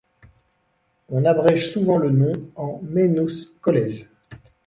On abrège souvent le nom en Maynooth College.